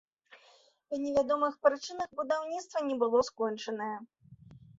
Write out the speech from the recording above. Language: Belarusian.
Па невядомых прычынах будаўніцтва не было скончанае.